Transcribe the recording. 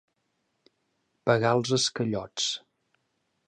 Pagar els esquellots.